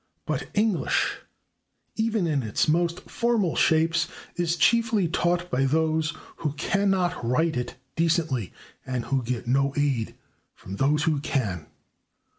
But English, even in its most formal shapes, is chiefly taught by those who cannot write it decently and who get no aid from those who can.